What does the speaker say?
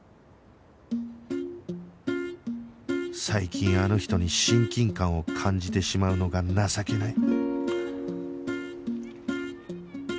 最近あの人に親近感を感じてしまうのが情けない